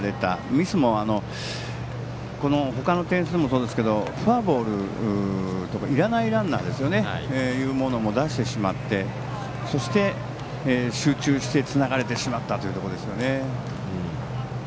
ミスも、他の点数もそうですけどフォアボールとかいらないランナーというものを出してしまってそして、集中してつながれてしまったというところですね。